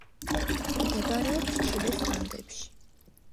მდებარეობს ჩილეს ანდებში.